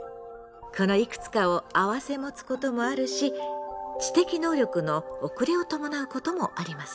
このいくつかを併せ持つこともあるし知的能力の遅れを伴うこともあります。